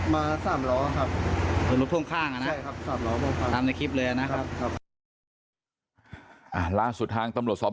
มา๓ล้อครับรถท่วงข้างนะครับตามในคลิปเลยนะครับล่าสุดทางตำรวจสอบ